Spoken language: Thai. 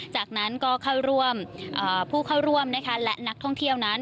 จากนั้นผู้เข้าร่วมและนักท่องเที่ยวนั้น